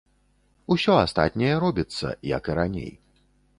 Усё астатняе робіцца, як і раней.